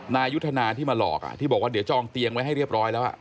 นายุทธนาที่มาหลอกที่บอกว่าเดี๋ยวจองเตียงไว้ให้เรียบร้อยแล้ว